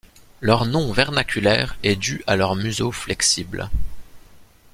Leur nom vernaculaire est dû à leur museau flexible.